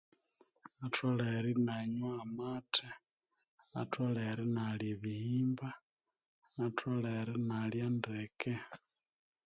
Atholere inanywa amaate atholere inalya ebihimba atholere inalya ndeke